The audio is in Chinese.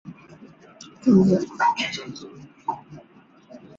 尚皮尼莱朗格雷。